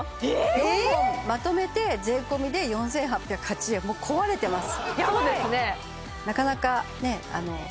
４本まとめて税込で４８８０円もう壊れてます